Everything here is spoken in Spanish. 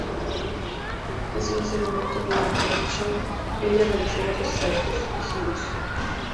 En un segmento durante el show, ella realizó varios saltos y giros.